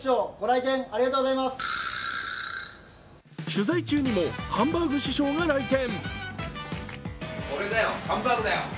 取材中にもハンバーグ師匠が来店。